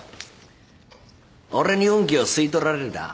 俺に運気を吸い取られるだ？